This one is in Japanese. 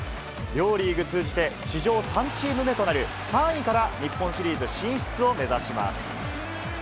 両リーグ通じて史上３チーム目となる３位から日本シリーズ進出を目指します。